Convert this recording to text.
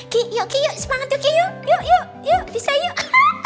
kiki yuk semangat yuk yuk yuk yuk bisa yuk